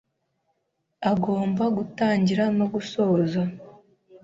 agomba gutangira no gusoza